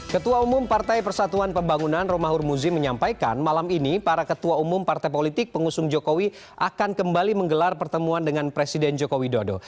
ketua umum partai persatuan pembangunan romahur muzi menyampaikan malam ini para ketua umum partai politik pengusung jokowi akan kembali menggelar pertemuan dengan presiden joko widodo